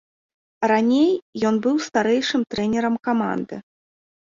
Раней ён быў старэйшым трэнерам каманды.